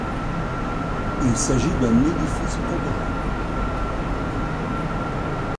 Il s'agit d'un édifice protégé.